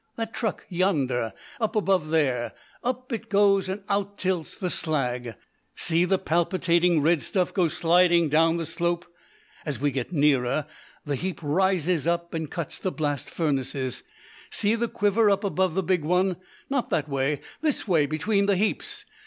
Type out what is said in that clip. That truck yonder, up above there! Up it goes, and out tilts the slag. See the palpitating red stuff go sliding down the slope. As we get nearer, the heap rises up and cuts the blast furnaces. See the quiver up above the big one. Not that way! This way, between the heaps.